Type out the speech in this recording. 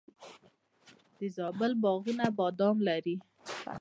د زابل باغونه بادام لري.